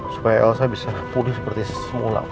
supaya elsa bisa pulih seperti semula